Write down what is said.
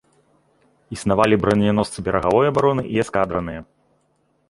Існавалі браняносцы берагавой абароны і эскадраныя.